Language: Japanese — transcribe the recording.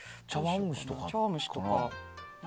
茶碗蒸しとかかな？